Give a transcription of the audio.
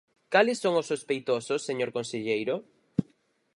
¿Cales son sospeitosos, señor conselleiro?